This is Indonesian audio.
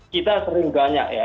kita sering banyak ya